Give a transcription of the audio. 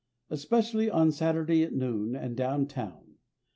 Especially on Saturday at noon and downtown.